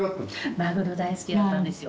マグロ大好きだったんですよ。